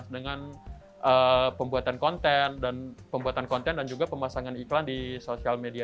dengan pembuatan konten dan juga pemasangan iklan di sosial media